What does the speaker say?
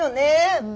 うん。